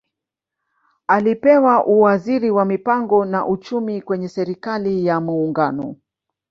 Alipewa uwaziri wa Mipango na Uchumi kwenye Serikali ya Muungano